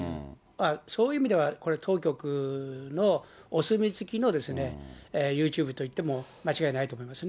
そういう意味ではこれ、当局のお墨付きのユーチューブといっても間違いないと思いますね。